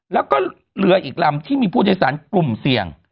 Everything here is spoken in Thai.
แล้วก็เรืออีกลำที่มีผู้โดยสารกลุ่มเสี่ยง